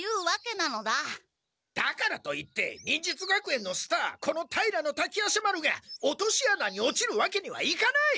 だからといって忍術学園のスターこの平滝夜叉丸が落とし穴に落ちるわけにはいかない！